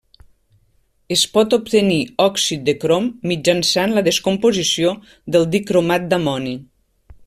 Es pot obtenir òxid de crom mitjançant la descomposició del dicromat d'amoni.